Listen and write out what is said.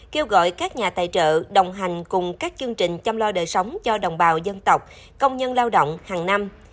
kêu gọi các nhà tài trợ đồng hành cùng các chương trình chăm lo đời sống cho đồng bào dân tộc công nhân lao động hàng năm